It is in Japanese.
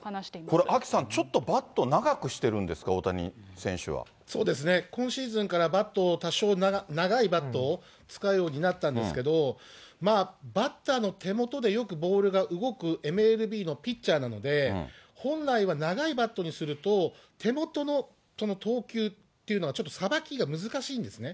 これ、アキさん、ちょっとバット長くしてるんですか、大谷選そうですね、今シーズンからバットを、多少長いバットを使うようになったんですけど、バッターの手元でよくボールが動くＭＬＢのピッチャーなので、本来は長いバットにすると、手元の投球っていうのがちょっとさばきが難しいんですね。